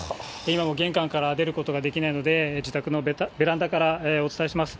今も玄関から出ることができないので、自宅のベランダからお伝えします。